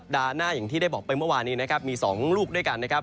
หน้าอย่างที่ได้บอกไปเมื่อวานี้นะครับมี๒ลูกด้วยกันนะครับ